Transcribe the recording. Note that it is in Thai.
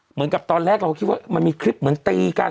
เหมือนกับตอนแรกเราก็คิดว่ามันมีคลิปเหมือนตีกัน